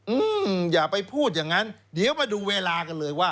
อืมอย่าไปพูดอย่างนั้นเดี๋ยวมาดูเวลากันเลยว่า